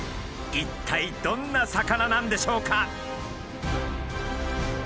一体どんな魚なんでしょうか？